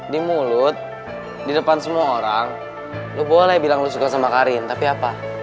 di mulut di depan semua orang lu boleh bilang lo suka sama karin tapi apa